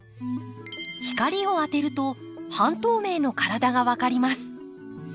光を当てると半透明の体が分かります。